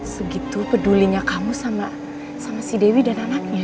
segitu pedulinya kamu sama si dewi dan anaknya